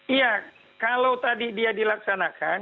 iya kalau tadi dia dilaksanakan